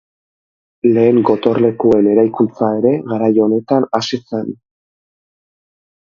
Lehen gotorlekuen eraikuntza ere, garai honetan hasi zen.